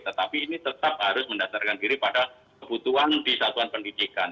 tetapi ini tetap harus mendasarkan diri pada kebutuhan di satuan pendidikan